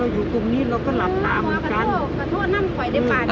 อยู่ตรงนี้หรอก็หลับละกูกัน